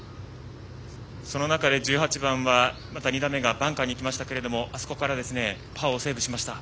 その中で１８番は、２打目がバンカーに行きましたけれどもあそこからパーをセーブしました。